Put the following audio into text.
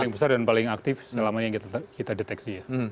paling besar dan paling aktif selama ini yang kita deteksi ya